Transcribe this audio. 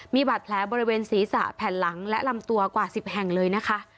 มีบาดแผลบริเวณศีรษะแผ่นหลังและลำตัวกว่า๑๐แห่งเลยนะคะ